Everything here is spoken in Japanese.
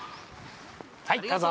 はいどうぞ。